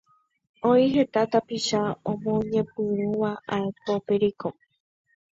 Oĩ heta tapicha omoñepyrũva aipo pericón